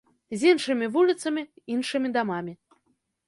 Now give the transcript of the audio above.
З іншымі вуліцамі, іншымі дамамі.